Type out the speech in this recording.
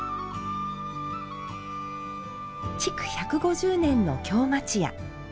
築１５０年の京町家。